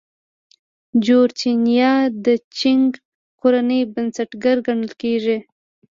جورچنیان د چینګ کورنۍ بنسټګر ګڼل کېدل.